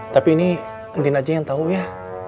tapi ini ending aja yang tahu ya